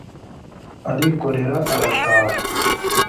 arikorera arataha